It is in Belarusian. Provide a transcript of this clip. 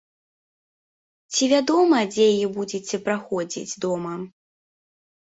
Ці вядома, дзе яе будзеце праходзіць, дома?